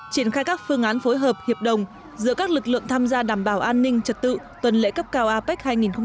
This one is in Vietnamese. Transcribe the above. triển khai các phương án phối hợp hiệp đồng giữa các lực lượng tham gia đảm bảo an ninh trật tự tuần lễ cấp cao apec hai nghìn hai mươi